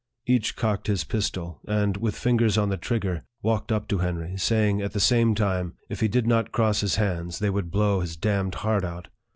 Each cocked his pistol, and, with fingers on the trigger, walked up to Henry, saying, at the same time, if he did not cross his hands, they would blow his damned heart out.